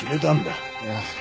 いや。